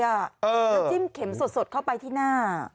แล้วจิ้มเข็มสดเข้าไปที่หน้า